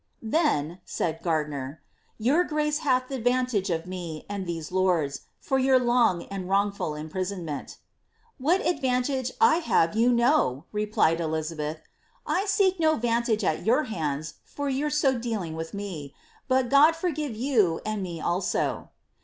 ^ Then," said Gardiner, ^ your ^race hath the vantage of me and these lords, for your long and wrongful unprisonmenL" ^^ What advantage I have you know !"' replied Elizabeth ;^ I seek no vantage at your hands for your so dealing with me — but God foigive you and me also."